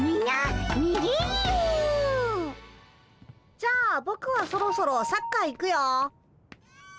じゃあぼくはそろそろサッカー行くよ。